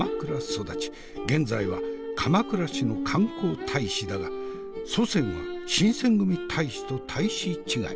現在は鎌倉市の観光大使だが祖先は新選組隊士とタイシ違い。